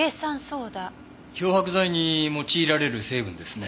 漂白剤に用いられる成分ですね。